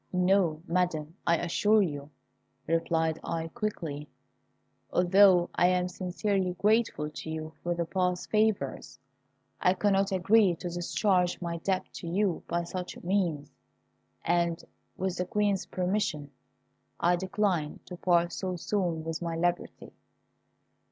"No, Madam, I assure you," replied I, quickly. "Although I am sincerely grateful to you for past favours, I cannot agree to discharge my debt to you by such means; and, with the Queen's permission, I decline to part so soon with my liberty.